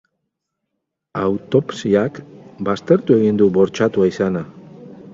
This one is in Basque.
Autopsiak baztertu egin du bortxatua izana.